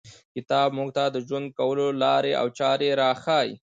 کتاب موږ ته د ژوند کولو لاري او چاري راښیي.